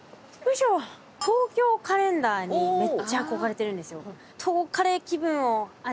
『東京カレンダー』にめっちゃ憧れてるんですよ。